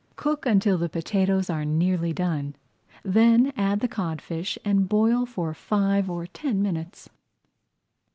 Cook until the potatoes are nearly done, then add the codfish and boil for five or ten minutes.